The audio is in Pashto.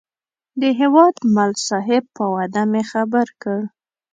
د هیوادمل صاحب په وعده مې خبر کړ.